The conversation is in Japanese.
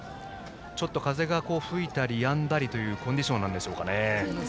風が吹いたりやんだりというコンディションでしょうか。